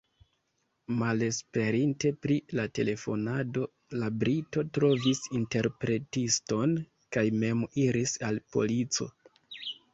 Malesperinte pri la telefonado, la brito trovis interpretiston kaj mem iris al polico.